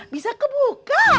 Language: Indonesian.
bisa ke buka